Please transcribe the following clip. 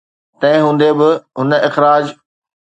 تنهن هوندي به، هن اخراج